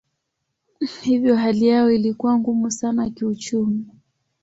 Hivyo hali yao ilikuwa ngumu sana kiuchumi.